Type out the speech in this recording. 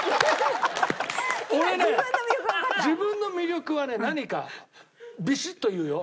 俺ね自分の魅力はね何かビシッと言うよ。